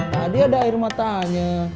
tadi ada air matanya